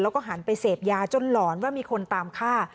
แล้วก็หันไปเสพยาจนหลอนว่ามีคนตามฆ่า